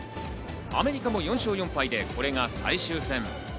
アメリカも４勝４敗でこれが最終戦。